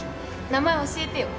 名前教えてよ。